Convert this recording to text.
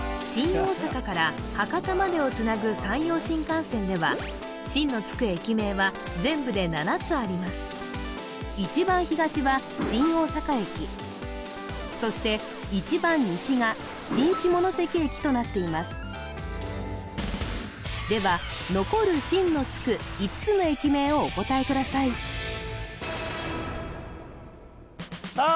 大阪から博多までをつなぐ山陽新幹線では一番東は新大阪駅そして一番西が新下関駅となっていますでは残る「新」のつく５つの駅名をお答えくださいさあ